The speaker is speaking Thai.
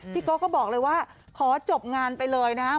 พี่โก๊ะก็บอกเลยว่าขอจบงานไปเลยนะฮะ